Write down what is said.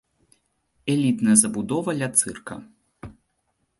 Элітная забудова ля цырка.